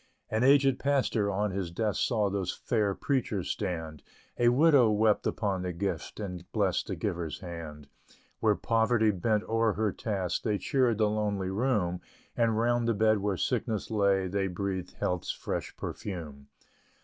An aged Pastor, on his desk Saw those fair preachers stand; A Widow wept upon the gift, And blessed the giver's hand. Where Poverty bent o'er her task, They cheered the lonely room; And round the bed where Sickness lay, They breathed Health's fresh perfume.